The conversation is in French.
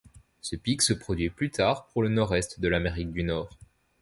Ce pic se produit plus tard pour le nord-est de l'Amérique du Nord.